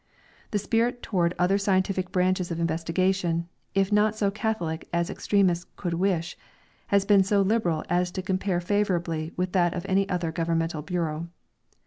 . The spirit toward other scientific branches of investigation, if not so catholic as extremists could wish, has been so liberal as to compare favorably with that of any other governmental bureau.